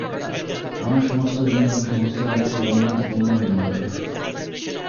আমার সমস্ত দিন এবং সমস্ত রাত্রি অমৃতে পূর্ণ হইয়া গেল।